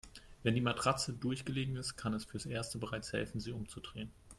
Wenn die Matratze durchgelegen ist, kann es fürs Erste bereits helfen, sie umzudrehen.